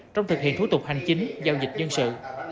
trong thực hiện thủ tục hành chính giao dịch dân sự